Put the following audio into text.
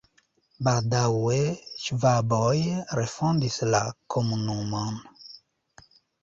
Baldaŭe ŝvaboj refondis la komunumon.